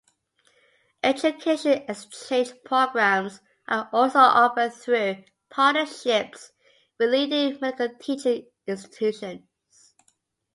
Education Exchange programs are also offered through partnerships with leading medical teaching institutions.